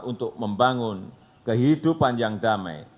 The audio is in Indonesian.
untuk membangun kehidupan yang damai